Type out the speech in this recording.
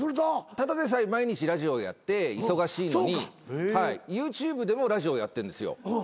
ただでさえ毎日ラジオやって忙しいのにＹｏｕＴｕｂｅでもラジオやってんですよ。